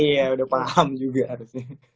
iya udah paham juga harusnya